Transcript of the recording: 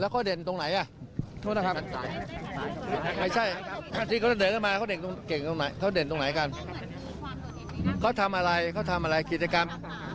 เขาทำอะไรเขาทำอะไรกิจกรรม